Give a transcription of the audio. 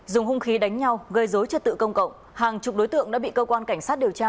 dùng hung khí đánh nhau gây dối trật tự công cộng hàng chục đối tượng đã bị cơ quan cảnh sát điều tra